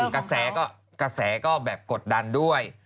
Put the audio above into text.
กระแสก็กระแสก็แบบกดดันด้วย